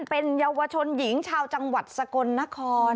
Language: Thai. เป็นเยาวชนหญิงชาวจังหวัดสกลนคร